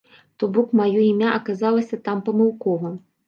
То-бок маё імя аказалася там памылкова.